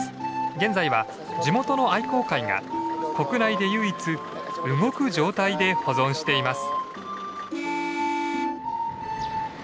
現在は地元の愛好会が国内で唯一動く状態で保存しています。